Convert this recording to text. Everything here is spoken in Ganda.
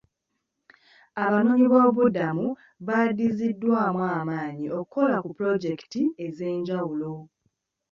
Abanoonyiboobubuddamu badiziddwamu amaanyi okukola ku pulojekiti ez'enjawulo.